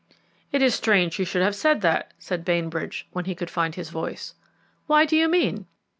"It is strange that you should have said that," said Bainbridge, when he could find his voice. "What do you mean?"